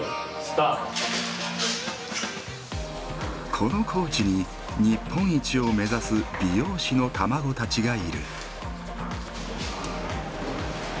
この高知に日本一を目指す美容師の卵たちがいる。